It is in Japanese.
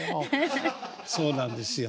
そうなんですよ。